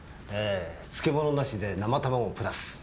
え漬物なしで生卵プラス。